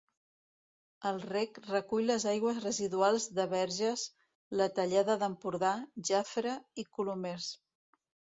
El rec recull les aigües residuals de Verges, la Tallada d'Empordà, Jafre i Colomers.